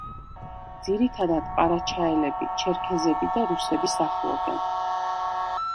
ძირითადად ყარაჩაელები, ჩერქეზები და რუსები სახლობენ.